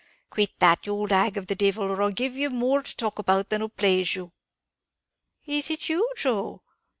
"Quit that, you ould hag of the divil! or I'll give you more to talk about than'll plaze you." "Is it you, Joe?